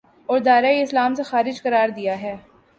اور دائرۂ اسلام سے خارج قرار دیا ہے